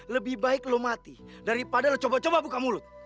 lebih baik lo mati daripada lo coba coba buka mulut